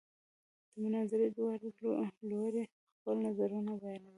د مناظرې دواړه لوري خپل نظرونه بیانوي.